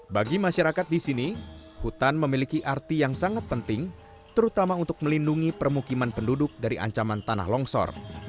bagi masyarakat di sini hutan memiliki arti yang sangat penting terutama untuk melindungi permukiman penduduk dari ancaman tanah longsor